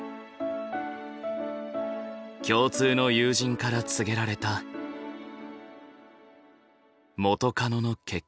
共通の友人から告げられた元カノの結婚。